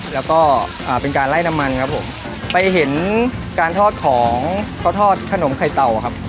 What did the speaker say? แล้วก็อ่าเป็นการไล่น้ำมันครับผมไปเห็นการทอดของเขาทอดขนมไข่เต่าครับ